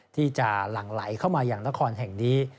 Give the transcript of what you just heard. ที่จะหลั่งไหลเข้ามาอย่างนครแห่งนี้